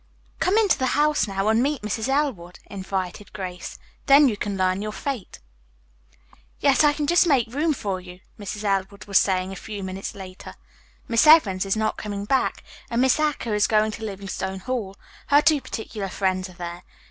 "Come into the house now and meet Mrs. Elwood," invited Grace. "Then you can learn your fate." "Yes, I can just make room for you," Mrs. Elwood was saying a few minutes later. "Miss Evans is not coming back, and Miss Acker is going to Livingstone Hall. Her two particular friends are there.